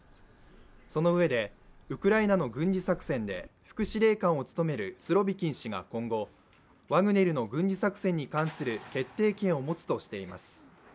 そのうえで、ウクライナの軍事作戦で副司令官を務めるスロビキン氏が今後、ワグネルの軍事作戦に関する決定権を持つとしています。